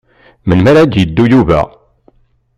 Melmi ad yeddu Yuba?